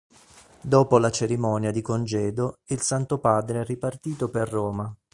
Dopo la cerimonia di congedo il Santo Padre è ripartito per Roma.